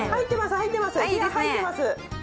入ってます！